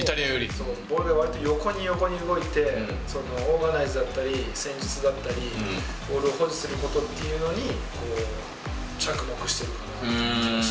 ボールがわりと横に横に動いて、オーガナイズだったり、戦術だったり、ボールを保持することっていうのに着目してるから。